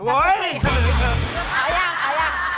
เอาอย่าง